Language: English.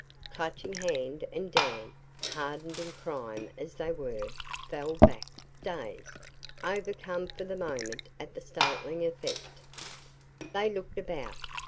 Clutching Hand and Dan, hardened in crime as they were, fell back, dazed, overcome for the moment at the startling effect. They looked about.